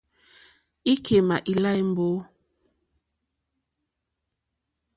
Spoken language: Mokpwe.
Íkémà ílâ mbǒ.